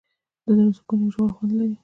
د زړه سکون یو ژور خوند لري.